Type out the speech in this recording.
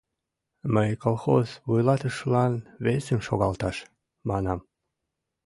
Мый, колхоз вуйлатышылан весым шогалташ, манам.